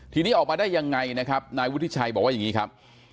ทีนี้ออกมาได้ยังไงนะครับนายวุฒิชัยบอกว่าอย่างนี้ครับ